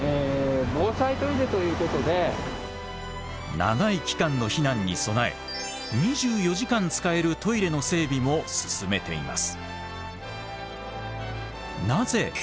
長い期間の避難に備え２４時間使えるトイレの整備も進めています。